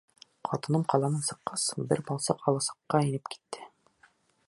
Ҡатыным ҡаланан сыҡҡас, бер балсыҡ аласыҡҡа инеп китте.